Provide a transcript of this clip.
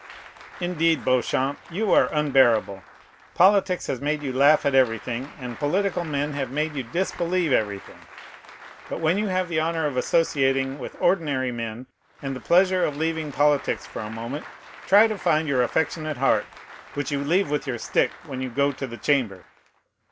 "Indeed, Beauchamp, you are unbearable. Politics has made you laugh at everything, and political men have made you disbelieve everything. But when you have the honor of associating with ordinary men, and the pleasure of leaving politics for a moment, try to find your affectionate heart, which you leave with your stick when you go to the Chamber."